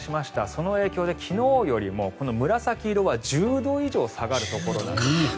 その影響で昨日よりも紫色は１０度以上下がるところ。